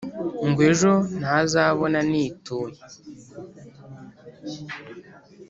ngo ejo ntazabona nituye!